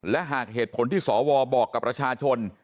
และหากเหตุผลที่สวบอกกับประชาชน